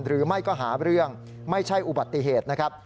หรือไม่ก็หาเรื่องไม่ใช่อุบัติเหตุนะครับ